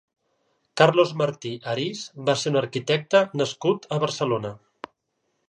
Carlos Martí Arís va ser un arquitecte nascut a Barcelona.